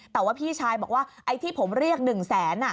แต่ว่าพี่ชายบอกว่าไอ้ที่ผมเรียก๑แสน